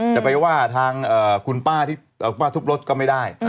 จะไปว่าทางคุณป้าทุบรถก็ไม่ได้